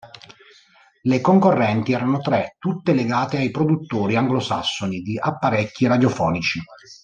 Le concorrenti erano tre, tutte legate ai produttori anglosassoni di apparecchi radiofonici.